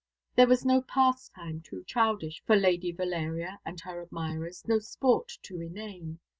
There was no pastime too childish for Lady Valeria and her admirers, no sport too inane.